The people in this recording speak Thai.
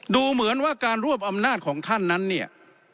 ดูเหมือนว่าการรวบอำนาจของท่านนั้นเนี่ย